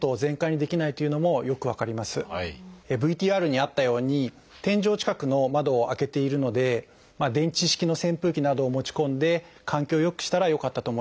ＶＴＲにあったように天井近くの窓を開けているので電池式の扇風機などを持ち込んで換気をよくしたらよかったと思います。